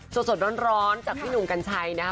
สดร้อนจากพี่หนุ่มกัญชัยนะคะ